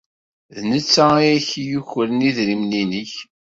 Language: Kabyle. D netta ay ak-yukren idrimen-nnek.